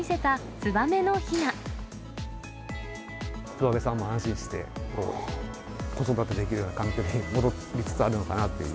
ツバメさんも安心して子育てできるような環境に戻りつつあるのかなっていう。